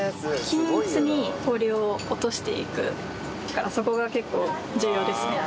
均一に氷を落としていくそこが結構重要ですね。